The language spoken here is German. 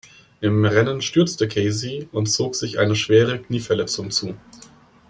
Im Rennen stürzte Casey und zog sich eine schwere Knieverletzung zu.